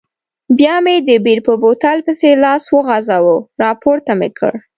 بیا مې د بیر په بوتل پسې لاس وروغځاوه، راپورته مې کړ.